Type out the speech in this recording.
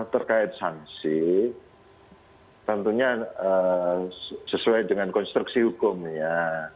terkait sanksi tentunya sesuai dengan konstruksi hukum ya